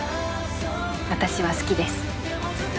私は好きです。